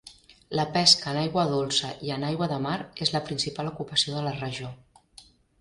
La pesca en aigua dolça i en aigua de mar és la principal ocupació de la regió.